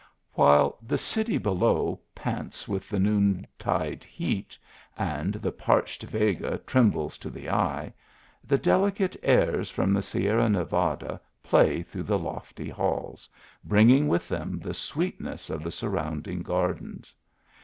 While the city below pants with the noon tide heat, and the parched Vega trembles to the eye, the delicate airs from the Sierra Nevada play through the lofty halls, bringing with them the sweetness of the surrounding gardens.